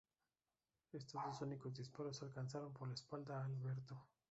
Estos dos únicos disparos alcanzaron por la espalda a Alberto.